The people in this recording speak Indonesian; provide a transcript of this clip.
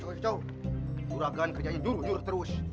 ajo mengingat catanya diturun terus